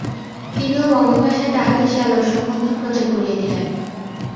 তিনিও বঙ্গভাষায় তাহাদের শ্যালক-সম্বন্ধ প্রচার করিয়া দিলেন।